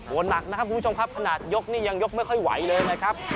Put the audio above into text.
หนักนะครับคุณผู้ชมครับขนาดยกนี่ยังยกไม่ค่อยไหวเลยนะครับ